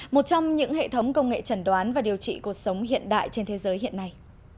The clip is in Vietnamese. một trong những hệ thống công nghệ trần đoán và điều trị cuộc sống hiện đại trên thế giới hiện nay